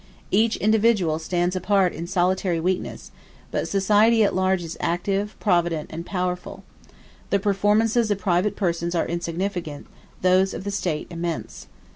Each individual stands apart in solitary weakness; but society at large is active, provident, and powerful: the performances of private persons are insignificant, those of the State immense.